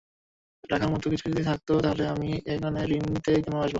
রাখার মতো যদি কিছু থাকতো, তাহলে আমি এখানে ঋণ নিতে কেন আসবো?